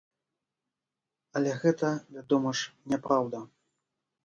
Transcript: Але гэта, вядома ж, няпраўда.